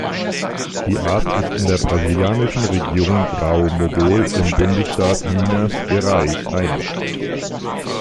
Die Art ist in der brasilianischen Region Grao-Mogol im Bundesstaat Minas Gerais heimisch.